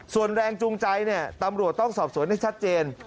ส่วนแรงจูงใจตำรวจต้องสอบสวนให้ชัดเจน